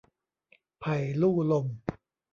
ไผ่ลู่ลม